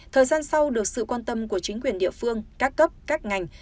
thời gian sau được sự quan tâm của chính quyền địa phương các cấp các ngành